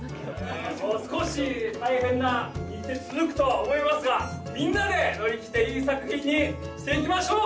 もう少し大変な日程続くとは思いますがみんなで乗り切っていい作品にしていきましょう！